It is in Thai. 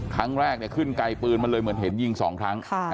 ครั้งแรกเนี่ยขึ้นไกลปืนมาเลยเหมือนเห็นยิง๒ครั้ง